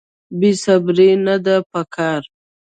بې صبري نه ده په کار.